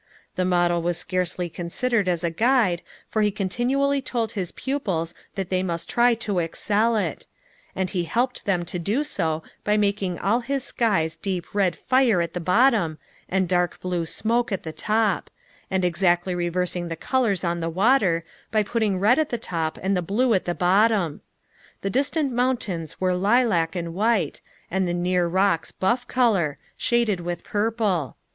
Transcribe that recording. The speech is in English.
The model was scarcely considered as a guide, for he continually told his pupils that they must try to excel it; and he helped them to do so by making all his skies deep red fire at the bottom, and dark blue smoke at the top; and exactly reversing the colors on the water, by putting red at the top and the blue at the bottom. The distant mountains were lilac and white, and the near rocks buff color, shaded with purple.